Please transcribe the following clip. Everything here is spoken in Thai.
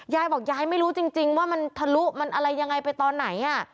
ยายบอกยายไม่รู้จริงว่ามันทะลุมันอะไรยังไงไปตอนไหน